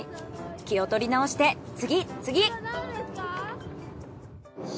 気を取り直して次次！